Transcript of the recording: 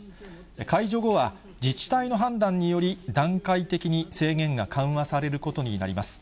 解除後は、自治体の判断により、段階的に制限が緩和されることになります。